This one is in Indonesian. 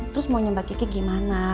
terus maunya mbak kiki gimana